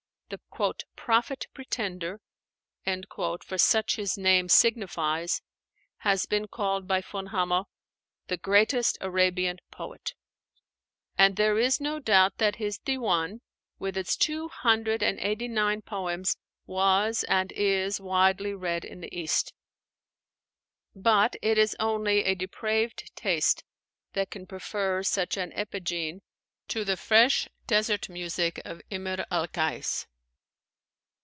The "Prophet pretender" for such his name signifies has been called by Von Hammer "the greatest Arabian poet"; and there is no doubt that his 'Diwán,' with its two hundred and eighty nine poems, was and is widely read in the East. But it is only a depraved taste that can prefer such an epigene to the fresh desert music of Imr al Kais.